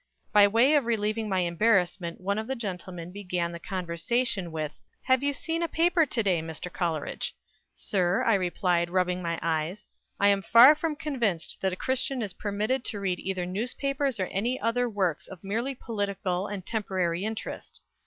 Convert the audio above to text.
By way of relieving my embarrassment one of the gentlemen began the conversation with 'Have you seen a paper to day, Mr. Coleridge?' 'Sir,' I replied, rubbing my eyes, 'I am far from convinced that a Christian is permitted to read either newspapers or any other works of merely political and temporary interest.'